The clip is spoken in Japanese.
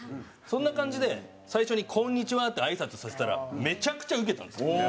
そんな感じで最初に「こんにちは！！」ってあいさつさせたらめちゃくちゃウケたんですよ。